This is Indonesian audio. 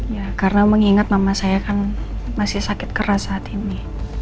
ya karena mengingat nama saya kan masih sakit keras saat ini